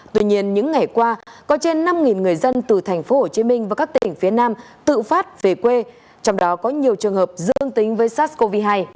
tuy nhiên những ngày qua có trên năm người dân từ thành phố hồ chí minh và các tỉnh phía nam tự phát về quê trong đó có nhiều trường hợp dương tính với sars cov hai